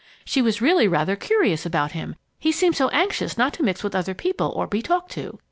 She was really rather curious about him, he seemed so anxious not to mix with other people or be talked to.